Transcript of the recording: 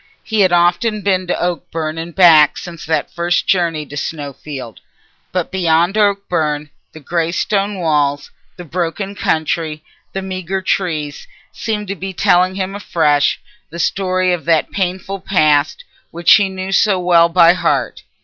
He had often been to Oakbourne and back since that first journey to Snowfield, but beyond Oakbourne the greystone walls, the broken country, the meagre trees, seemed to be telling him afresh the story of that painful past which he knew so well by heart.